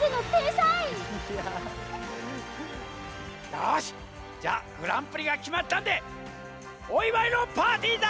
よしじゃあグランプリがきまったんでおいわいのパーティーだ！